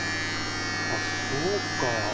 あっそうか。